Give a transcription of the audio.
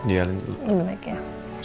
iya lebih baik ya